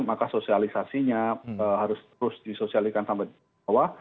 maka sosialisasinya harus terus disosialiskan sampai di bawah